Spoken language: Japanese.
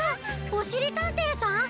おしりたんていさん！